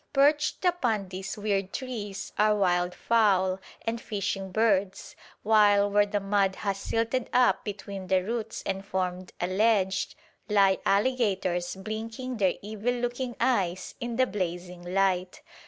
Perched upon these weird trees are wild fowl and fishing birds, while, where the mud has silted up between the roots and formed a ledge, lie alligators blinking their evil looking eyes in the blazing light.